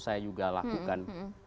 saya juga lakukan